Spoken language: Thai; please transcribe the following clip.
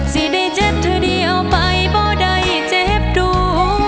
สิได้เจ็บเธอเดียวไปบ่ได้เจ็บดู